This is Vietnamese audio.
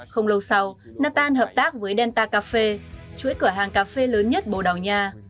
không lâu sau nathan hợp tác với delta cà phê chuỗi cửa hàng cà phê lớn nhất bồ đào nha